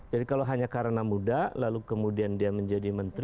jadi kalau hanya karena muda lalu kemudian dia menjadi menteri